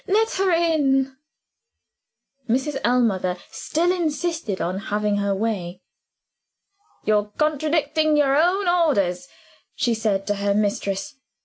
Let her in." Mrs. Ellmother still insisted on having her way. "You're contradicting your own orders," she said to her mistress.